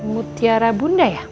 mutiara bunda ya